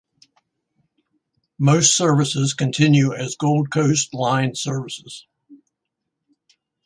Most services continue as Gold Coast line services.